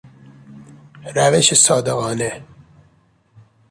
روش صادقانه